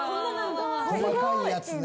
細かいやつね。